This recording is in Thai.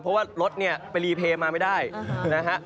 เพราะว่ารถเนี่ยไปรีเพย์มาไม่ได้นะฮะ